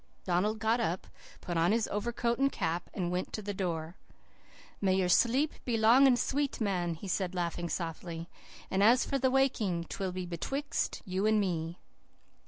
Donald got up, put on his overcoat and cap, and went to the door. "'May your sleep be long and sweet, man,' he said, laughing softly, 'and as for the waking, 'twill be betwixt you and me.